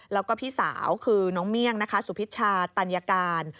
แล้วก็พี่สาวคือน้องเมี่ยงนะคะสุพิชชาตัญญาการ